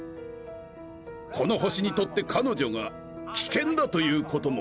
この星にとってかのじょがきけんだということも。